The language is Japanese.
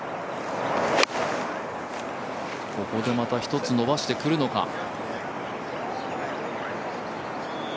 ここでまた１つ伸ばしてくるのか。